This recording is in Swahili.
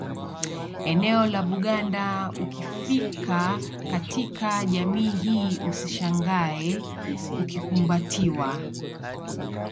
Eneo la Buganda ukifika katika jamii hii usishangae ukikumbatiwa